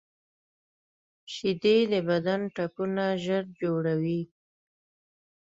شیدې د بدن ټپونه ژر جوړوي